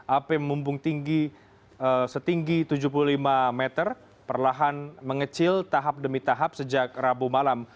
api memumbung tinggi setinggi tujuh puluh lima meter perlahan mengecil tahap demi tahap sejak rabu malam